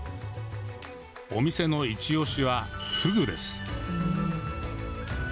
お店の一押しは、フグです。